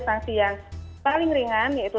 sanksi yang paling ringan yaitu